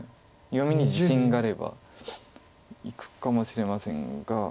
読みに自信があればいくかもしれませんが。